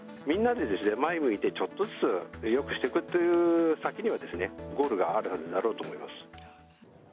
みんなで前向いて、ちょっとずつよくしていくという先には、ゴールがあるはずだろうと思います。